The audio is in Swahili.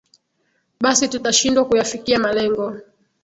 basi tutashindwa kuyafikia malengo